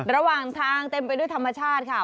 ระหว่างทางเต็มไปด้วยธรรมชาติค่ะ